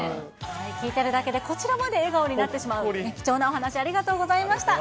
聞いてるだけでこちらまで笑顔になってしまう貴重なお話、ありがとうございました。